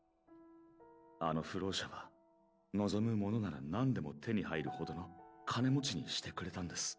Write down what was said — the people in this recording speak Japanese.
あの浮浪者は望むものならなんでも手に入るほどの金持ちにしてくれたんです。